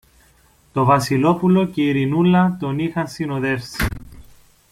Το Βασιλόπουλο και η Ειρηνούλα τον είχαν συνοδεύσει.